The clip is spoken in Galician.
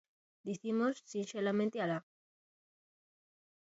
Dicimos sinxelamente alá.